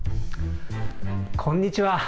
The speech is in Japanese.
こんにちは。